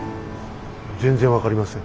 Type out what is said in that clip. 全然分かりません。